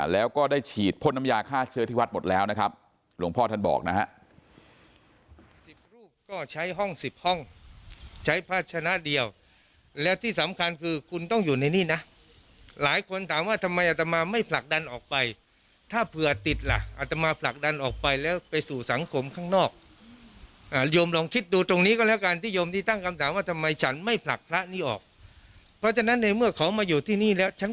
แล้วก็ได้ฉีดพ่นน้ำยาฆ่าเชื้อที่วัดหมดแล้วนะครับหลวงพ่อท่านบอกนะฮะ